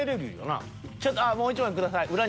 「ちょっともう１枚ください」。